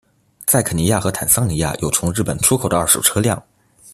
在肯尼亚和坦桑尼亚有从日本出口的二手车辆。